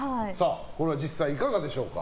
これは実際いかがでしょうか。